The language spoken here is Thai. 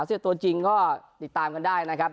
เสียตัวจริงก็ติดตามกันได้นะครับ